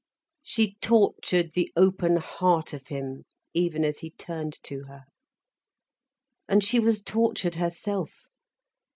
She tortured the open heart of him even as he turned to her. And she was tortured herself.